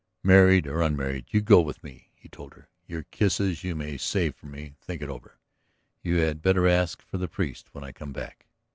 "Married or unmarried, you go with me," he told her. "Your kisses you may save for me. Think it over. You had better ask for the priest when I come back."